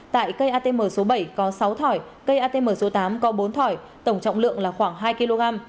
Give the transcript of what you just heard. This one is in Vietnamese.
tại cây atm số bảy có sáu thỏi cây atm số tám có bốn thỏi tổng trọng lượng là khoảng hai kg